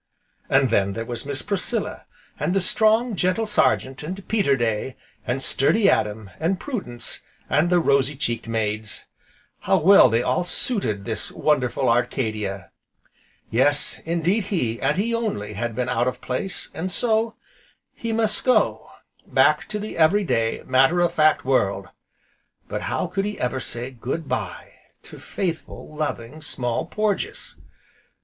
And then there was Miss Priscilla, and the strong, gentle Sergeant, and Peterday, and sturdy Adam, and Prudence, and the rosy cheeked maids. How well they all suited this wonderful Arcadia! Yes, indeed he, and he only, had been out of place, and so he must go back to the every day, matter of fact world, but how could he ever say "Good bye" to faithful, loving Small Porges?